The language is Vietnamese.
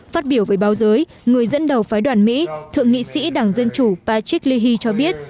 phát biểu với báo giới người dẫn đầu phái đoàn mỹ thượng nghị sĩ đảng dân chủ patrick leahy cho biết